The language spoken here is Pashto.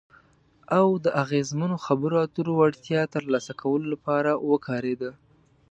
او د اغیزمنو خبرو اترو وړتیا ترلاسه کولو لپاره وکارېده.